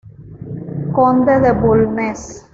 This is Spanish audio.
Conde de Bulnes.